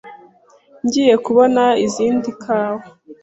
Ngiye kubona izindi kawa.